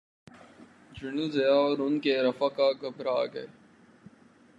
General Zia اور ان کے رفقاء گھبرا گئے۔